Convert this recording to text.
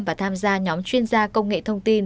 và tham gia nhóm chuyên gia công nghệ thông tin